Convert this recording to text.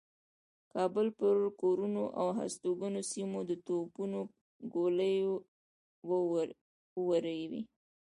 د کابل پر کورونو او هستوګنو سیمو د توپونو ګولۍ و اوروي.